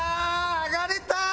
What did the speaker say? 上がれた。